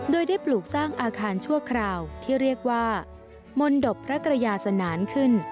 โดยได้ปลูกสร้างอาคารชั่วคราวที่เรียกว่ามนตบพระกระยาสนานขึ้น